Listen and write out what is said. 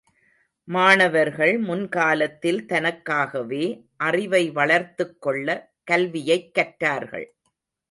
மாணவர்கள் முன்காலத்தில் தனக்காகவே, அறிவை வளர்த்துக் கொள்ள கல்வியைக் கற்றார்கள்.